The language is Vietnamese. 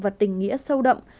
và tình nghĩa sâu đậm